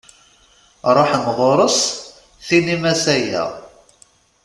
Ruḥem ɣur-s tinim-as aya.